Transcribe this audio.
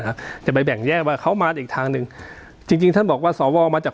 จะไปแบ่งแยกว่าเขามาอีกทางหนึ่งจริงจริงท่านบอกว่าสวมาจาก